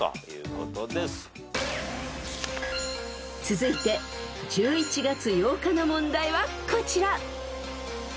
［続いて１１月８日の問題はこちら］